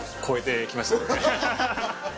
ハハハハ！